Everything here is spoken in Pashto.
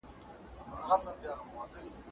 ستا باڼه هم ستا د سترگو جرم پټ کړي